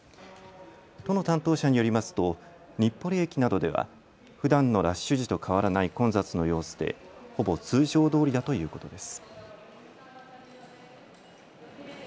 都の担当者によりますと日暮里駅などではふだんのラッシュ時と変わらない混雑の様子でほぼ通常どおりだということです。